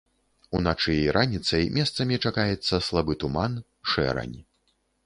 Уначы і раніцай месцамі чакаецца слабы туман, шэрань.